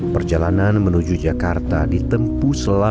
perjalanan menuju ibu kota menjelaskan kembali ke kota